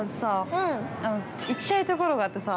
◆行きたいところがあってさ。